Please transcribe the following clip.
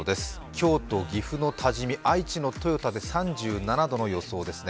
京都、岐阜の多治見、愛知の豊田で３７度の予想ですね。